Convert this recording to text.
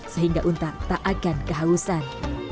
sehingga untar tak akan kehausan